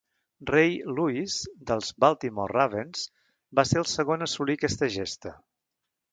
Ray Lewis dels Baltimore Ravens va ser el segon a assolir aquesta gesta.